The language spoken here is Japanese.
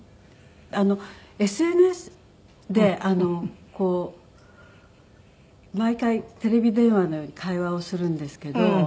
ＳＮＳでこう毎回テレビ電話のように会話をするんですけど。